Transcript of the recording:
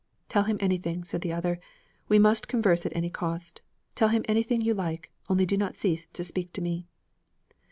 'Tell him anything,' said the other, 'We must converse at any cost. Tell him anything you like; only do not cease to speak to me.'